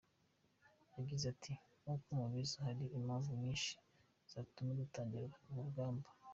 Yagize ati “ Nk’uko mubizi hari impamvu nyinshi zatumye dutangira urugamba.